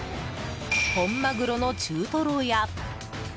本マグロの中トロや。